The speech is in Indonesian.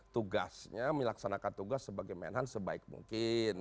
tugasnya melaksanakan tugas sebagai men hunt sebaik mungkin